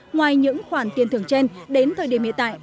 ngoài những khoản tiền thưởng trên đến thời điểm hiện tại